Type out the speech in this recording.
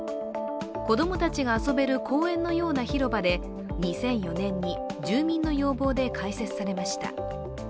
子供たちが遊べる公園のような広場で、２００４年に住民の要望で開設されました。